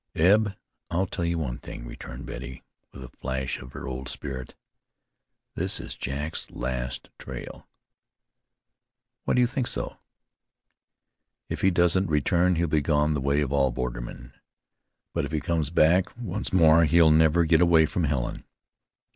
"Eb, I'll tell you one thing," returned Betty, with a flash of her old spirit. "This is Jack's last trail." "Why do you think so?" "If he doesn't return he'll be gone the way of all bordermen; but if he comes back once more he'll never get away from Helen."